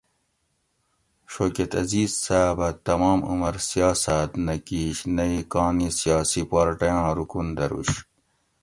شوکت عزیز صاۤب اۤ تمام عُمر سیاساۤت نہ کِیش نہ ئ کاں نی سیاسی پارٹئ آں رُکن دروش